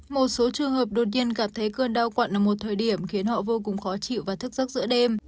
một số trường hợp đột nhiên gặp thấy cơn đau quặn ở một thời điểm khiến họ vô cùng khó chịu và thức giấc giữa đêm